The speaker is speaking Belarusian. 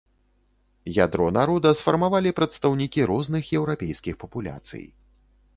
Ядро народа сфармавалі прадстаўнікі розных еўрапейскіх папуляцый.